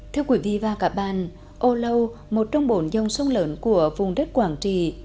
thưa quý vị và các bạn âu lâu một trong bổn dông sông lớn của vùng đất quảng trì